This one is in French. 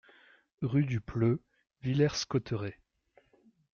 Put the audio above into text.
Rue du Pleu, Villers-Cotterêts